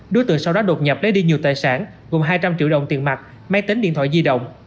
đối tượng sau đó đột nhập lấy đi nhiều tài sản gồm hai trăm linh triệu đồng tiền mặt máy tính điện thoại di động